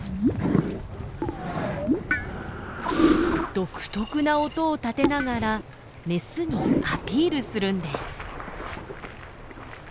独特な音を立てながらメスにアピールするんです。